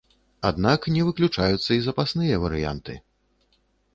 Аднак не выключаюцца і запасныя варыянты.